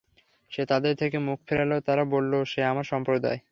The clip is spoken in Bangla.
সে তাদের থেকে মুখ ফিরাল এবং বলল, হে আমার সম্প্রদায়!